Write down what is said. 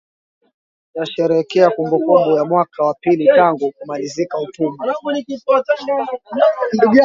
Marekani yasherehekea kumbukumbu ya mwaka wa pili tangu kumalizika utumwa